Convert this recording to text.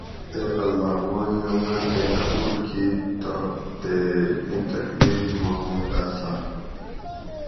اے اللّٰہ ماں ایں عماۤل تئ قبول کِیت تہ تے ایں تکلیف ما مُوں لاۤساۤ